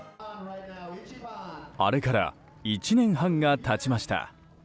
あれから１年半が経ちました。